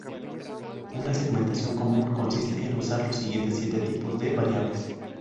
Una segmentación común consiste en usar los siguientes siete tipos de variables.